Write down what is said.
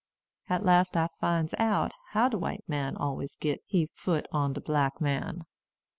At last I finds out how de white man always git he foot on de black man."